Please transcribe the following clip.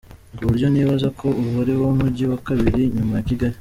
Ku buryo nibaza ko ubu ariwo mugi wa kabiri nyuma ya Kigali.